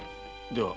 では。